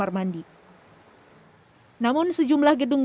pasien yang dirawatkan yang diberikan penampungan dan yang diberikan penampungan